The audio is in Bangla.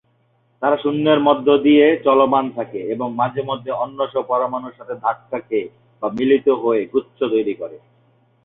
তারা শূন্যের মধ্যে দিয়ে চলমান থাকে এবং মাঝেমধ্যে অন্য সব পরমাণুর সাথে ধাক্কা খেয়ে বা মিলিত হয়ে গুচ্ছ তৈরি করে।